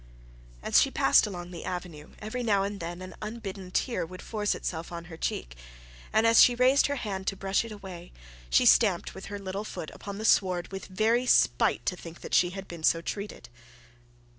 As she passed along the avenue, every now and then an unbidden tear would force itself on her cheek, and as she raised her hand to brush it away, she stamped with her little foot upon the sward with very spite to think that she had been so treated.